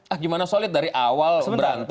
ah gimana solid dari awal berantem